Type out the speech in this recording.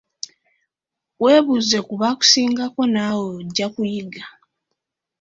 Weebuuze ku bakusingako naawe ojja kuyiga.